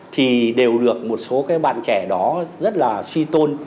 thì đều được một số cái bạn trẻ đó rất là suy tôn